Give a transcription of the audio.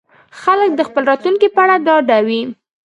خلک د خپل راتلونکي په اړه ډاډه وي.